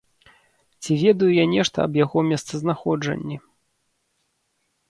Ці ведаю я нешта аб яго месцазнаходжанні.